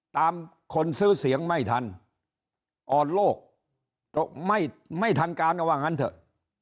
ตามคนซื้อเสียงไม่ทันอ่อนโลกไม่ทันการเอาว่างั้นเถอะ